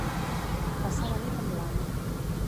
Passar la nit en blanc.